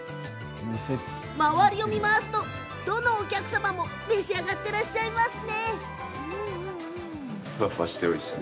周りを見回すと、どのお客様もみんな食べていらっしゃいます。